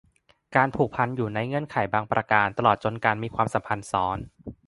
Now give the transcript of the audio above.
การผูกพันอยู่ในเงื่อนไขบางประการ ตลอดจนการมีความสัมพันธ์ซ้อน